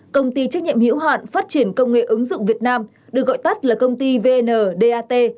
công ty trách nhiệm hiểu hạn phát triển công nghệ ứng dụng việt nam được gọi tắt là công ty vndat